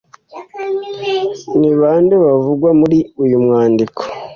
Ni bande bavugwa muri uyu mwandiko?